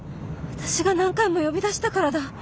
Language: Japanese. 私が何回も呼び出したからだ。